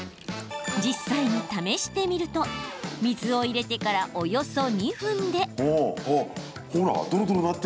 実際に試してみると水を入れてからおよそ２分で。